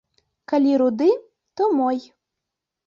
Калі руды, то мой.